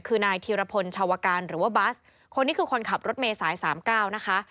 คือนายธีรพลชาวการหรือว่าบัสคนนี้คือคนขับรถเมษายสามเก้านะคะ